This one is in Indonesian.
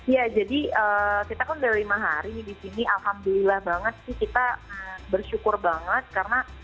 ya jadi kita kan udah lima hari di sini alhamdulillah banget sih kita bersyukur banget karena